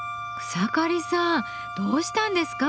草刈さんどうしたんですか？